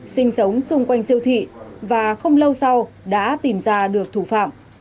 sinh sống xung quanh siêu thị và không lâu sau đã tìm ra được thủ phạm